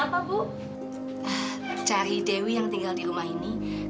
sampai jumpa di video selanjutnya